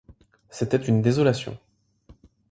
C’était une désolation